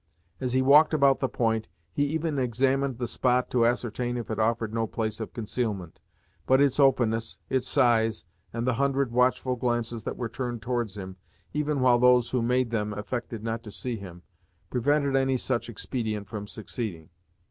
As he walked about the point, he even examined the spot to ascertain if it offered no place of concealment, but its openness, its size, and the hundred watchful glances that were turned towards him, even while those who made them affected not to see him, prevented any such expedient from succeeding.